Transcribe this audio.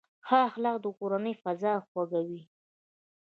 ښه اخلاق د کورنۍ فضا خوږوي.